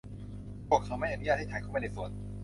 พวกเขาไม่อนุญาตให้ฉันเข้าไปในสวน